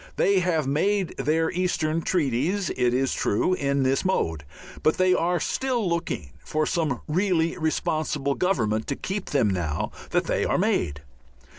They have made their eastern treaties, it is true, in this mode, but they are still looking for some really responsible government to keep them now that they are made.